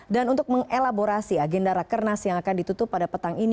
dan untuk mengelaborasi agenda rakernas yang akan ditutup pada petang ini